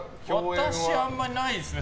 私はあんまりないですね。